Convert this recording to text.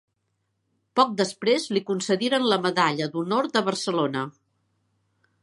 Poc després li concediren la Medalla d'Honor de Barcelona.